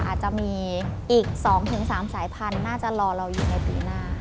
อาจจะมีอีก๒๓สายพันธุ์น่าจะรอเราอยู่ในปีหน้า